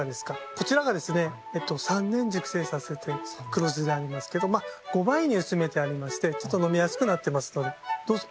こちらがですね三年じゅくせいさせて黒酢になりますけどまあ５ばいにうすめてありましてちょっとのみやすくなってますのでどうぞ。